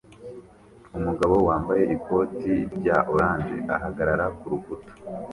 Umugabo wambaye ikoti rya orange ahagarara kurukuta